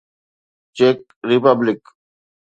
check republic